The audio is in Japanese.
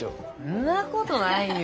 んなごどないよ。